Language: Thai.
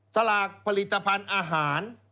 สลากผลิตภัณฑ์อาหาร